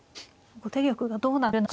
先手玉がどうなっているのか。